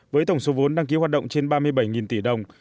với tổng số vốn đăng ký hoạt động trên ba mươi bảy tỷ đồng